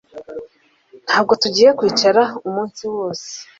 Ntabwo tugiye kwicara umunsi wose nibyo